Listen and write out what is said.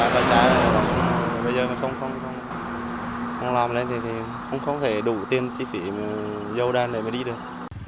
bây giờ không làm lên thì không có thể đủ tiền chi phí dâu đan để đi được